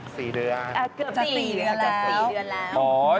สี่เดือน